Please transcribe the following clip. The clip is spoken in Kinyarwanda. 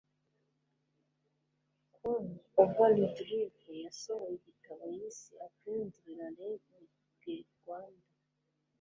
c. m. overdulve yasohoye igitabo yise apprendre la lamgue rwanda